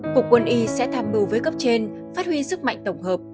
cục quân y sẽ tham mưu với cấp trên phát huy sức mạnh tổng hợp